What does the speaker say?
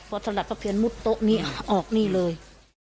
เพราะสำหรัฐประเภียนมุดโต๊ะออกนี่เลย